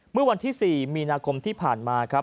เมื่อวันที่๔มีนาคมที่ผ่านมาครับ